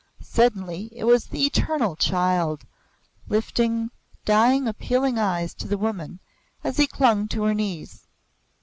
Suddenly it was the eternal Child, lifting dying, appealing eyes to the Woman, as he clung to her knees.